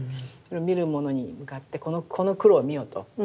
見る者に向かって「この黒を見よ」と。